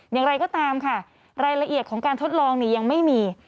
อย่างไรก็ตามค่ะรายละเอียดของการทดลองยังไม่มี